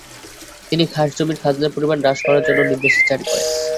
তিনি খাস জমির খাজনার পরিমাণ হ্রাস করার জন্য নির্দেশ জারি করেন।